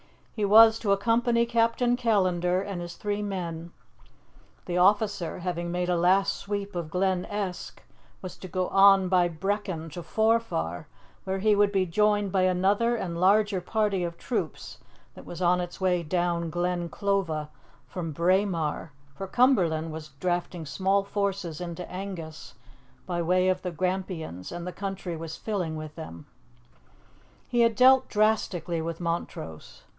He was to accompany Captain Callandar and his three men. The officer, having made a last sweep of Glen Esk, was to go on by Brechin to Forfar, where he would be joined by another and larger party of troops that was on its way down Glen Clova from Braemar, for Cumberland was drafting small forces into Angus by way of the Grampians, and the country was filling with them. He had dealt drastically with Montrose.